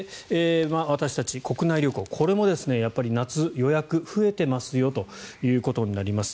私たち、国内旅行これも夏、予約状況増えてますよということになります。